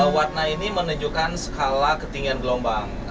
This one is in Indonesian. warna ini menunjukkan skala ketinggian gelombang